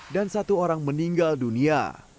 dan satu orang meninggal dunia